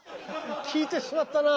聞いてしまったな。